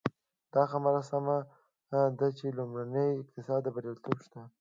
دا خبره سمه ده چې لومړني اقتصادي بریالیتوبونه شته.